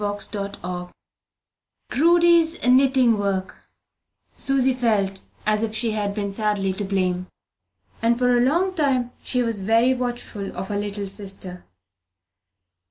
CHAPTER III PRUDY'S KNITTING WORK Susy felt as if she had been sadly to blame, and for a long time was very watchful of her little sister.